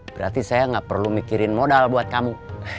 berarti saya gak perlu mikirin modal buat kamu